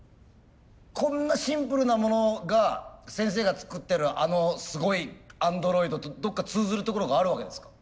こんなシンプルなものが先生が作ってるあのすごいアンドロイドとどっか通ずるところがあるわけですか？